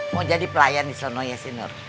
mau jadi pelayan di sono ya si nur